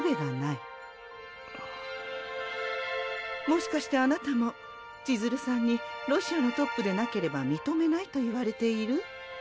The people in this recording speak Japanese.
もしかしてあなたも千鶴さんにロシアのトップでなければ認めないと言われている？